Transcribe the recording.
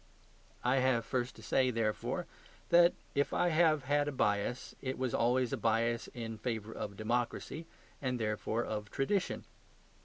I have first to say, therefore, that if I have had a bias, it was always a bias in favour of democracy, and therefore of tradition.